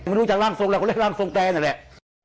รู้จักร่างทรงแหละคนแรกร่างทรงแต่นั่นแหละ